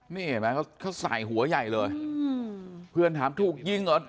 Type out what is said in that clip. นี่เห็นไหมเขาใส่หัวใหญ่เลยอืมเพื่อนถามถูกยิงเหรอ